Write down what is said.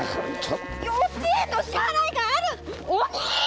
幼稚園の支払いがある鬼ーっ！